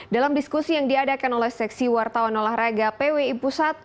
dalam diskusi yang diadakan oleh seksi wartawan olahraga pwi pusat